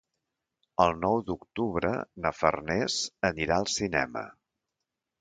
El nou d'octubre na Farners anirà al cinema.